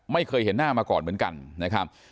ไม่เคยเห็นหน้ามาก่อนเหมือนกันนะครับ